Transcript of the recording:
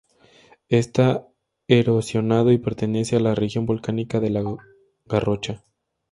Está erosionado y pertenece a la región volcánica de La Garrocha.